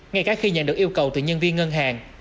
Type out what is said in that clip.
ngay cả khi nhận được yêu cầu từ nhân viên ngân hàng